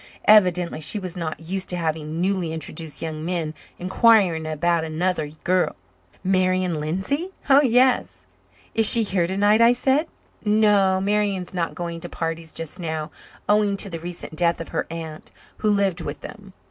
Evidently she was not used to having newly introduced young men inquiring about another girl. "Marian Lindsay? Oh, yes." "Is she here tonight?" I said. "No, Marian is not going to parties just now, owing to the recent death of her aunt, who lived with them."